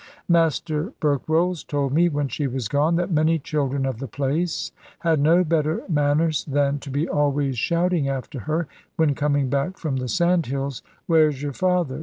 Master Berkrolles told me, when she was gone, that many children of the place had no better manners than to be always shouting after her, when coming back from the sandhills, "Where's your father?